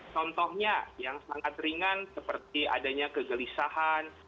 contohnya yang sangat ringan seperti adanya kegelisahan